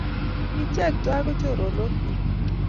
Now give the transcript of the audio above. Ichek twai ko charwok chuk